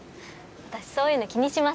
私そういうの気にしません。